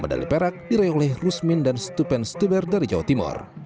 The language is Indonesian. medali perak diraih oleh rusmin dan stupen stuber dari jawa timur